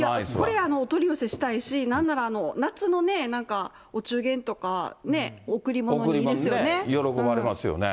これ、お取り寄せしたいですし、なんなら夏のね、なんか、お喜ばれますよね。